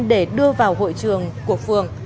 để đưa vào hội trường của phường